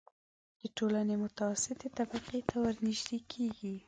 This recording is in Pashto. د ټولنې متوسطې طبقې ته ورنژدې کېږي.